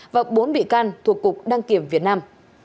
và bốn bị can thuộc cục đăng kiểm việt nam